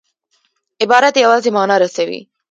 عبارت یوازي مانا رسوي.